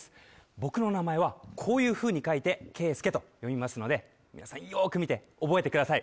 僕の名前はこういうふうに書いて「ケースケ」と読みますので皆さんよく見て覚えてください。